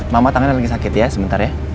mama tangannya lagi sakit ya sebentar ya